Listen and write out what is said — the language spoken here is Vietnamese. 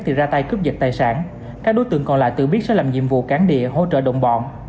thì ra tay cướp giật tài sản các đối tượng còn lại tự biết sẽ làm nhiệm vụ cán địa hỗ trợ đồng bọn